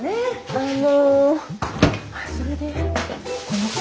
あの。